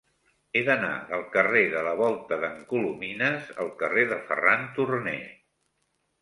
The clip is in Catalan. He d'anar del carrer de la Volta d'en Colomines al carrer de Ferran Turné.